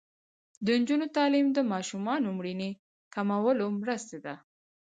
د نجونو تعلیم د ماشومانو مړینې کمولو مرسته ده.